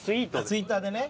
ツイッターでね。